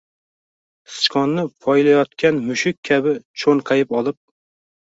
sichqonni poylayotgan mushuk kabi cho‘nqayib olib